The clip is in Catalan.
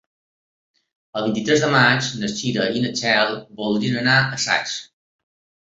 El vint-i-tres de maig na Cira i na Txell voldrien anar a Saix.